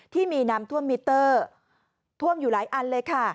ที่มีน้ำท่วมมิเตอร์ท่วมอยู่หลายอันเลยค่ะ